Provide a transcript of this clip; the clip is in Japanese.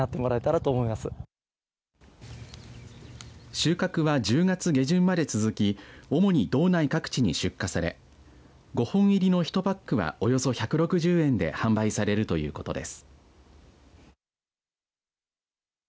収穫は１０月下旬まで続き主に道内各地に出荷され５本入りの１パックがおよそ１６０円で販売されるということです。